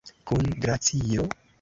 Kun glacio?